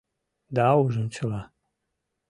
Да ужын чыла